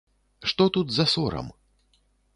Што тут за сорам?